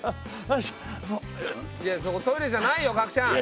いやそこトイレじゃないよ角ちゃん。